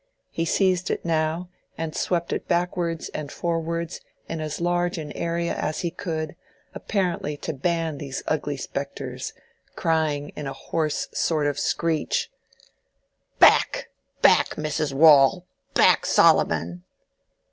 He seized it now and swept it backwards and forwards in as large an area as he could, apparently to ban these ugly spectres, crying in a hoarse sort of screech— "Back, back, Mrs. Waule! Back, Solomon!"